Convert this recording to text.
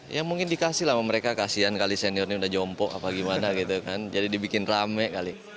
ya mungkin dikasih lah sama mereka kasian kali seniornya udah jompo apa gimana gitu kan jadi dibikin rame kali